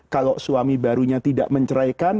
kalau suami barunya tidak menceraikan